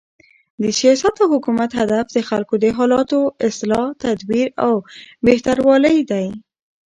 د سیاست او حکومت هدف د خلکو د حالاتو، اصلاح، تدبیر او بهتروالی دئ.